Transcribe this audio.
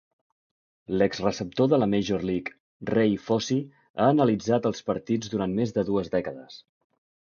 L'exreceptor de la Major League, Ray Fosse ha analitzat els partits durant més de dues dècades